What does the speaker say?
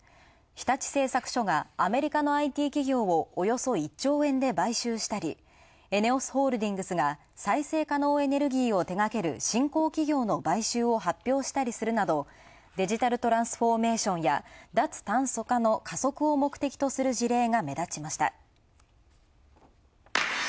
日立製作所がアメリカのＩＴ企業をおよそ１兆円で買収したり、エネオスホールディングスが再生可能エネルギーを手がける新興企業の買収を発表したりするなどデジタルトランスフォーメーションや、脱炭素化の加速を目的とする事例が目立ちました。